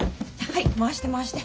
はい回して回して。